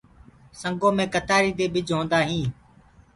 سنگو دي ڪتآري مي ڀج هوندآ هينٚ۔